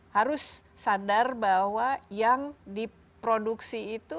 harus sadar bahwa yang diproduksi itu